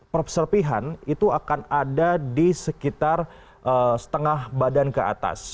perserpihan itu akan ada di sekitar setengah badan ke atas